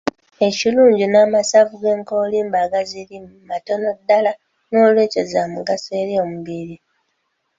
Ekilungi n'amasavu g'enkoolimbo agazirimu matono ddala nolwekyo za mugaso eri omubiri.